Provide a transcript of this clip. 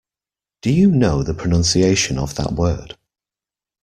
Do you know the pronunciation of that word?